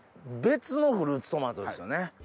別のフルーツトマトですよね。